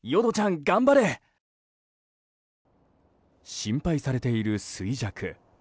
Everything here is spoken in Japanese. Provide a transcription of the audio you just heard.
心配されている衰弱。